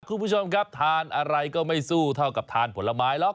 คุณผู้ชมครับทานอะไรก็ไม่สู้เท่ากับทานผลไม้หรอก